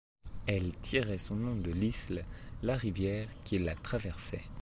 Elle tirait son nom de l'Isle, la rivière qui la traversait.